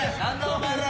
お前ら。